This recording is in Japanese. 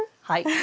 はい。